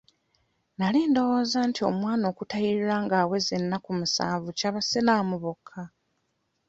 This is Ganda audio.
Nali ndowooza nti omwana okutayirirwa nga aweza ennaku musanvu kya basiraamu bokka.